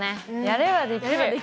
やればできる！